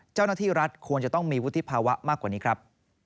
เจ้าหน้าที่รัฐควรจะต้องมีวุฒิภาวะมากกว่านี้ครับ